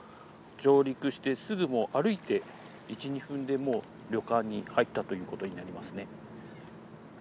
上陸してすぐもう歩いて１２分でもう旅館に入ったということになりますね。